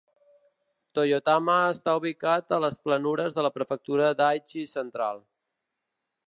Toyotama està ubicat a les planures de la prefectura d'Aichi central.